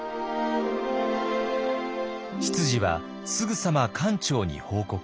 執事はすぐさま管長に報告。